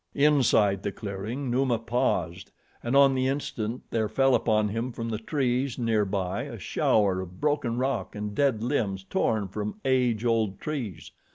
Inside the clearing, Numa paused and on the instant there fell upon him from the trees near by a shower of broken rock and dead limbs torn from age old trees.